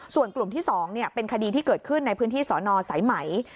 ส่วนกลุ่มที่๒เป็นคดีที่เกิดขึ้นในพื้นที่สนสายไหม